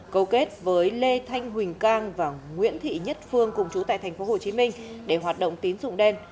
câu kết với lê thanh huỳnh cang và nguyễn thị nhất phương cùng chú tại tp hcm để hoạt động tín dụng đen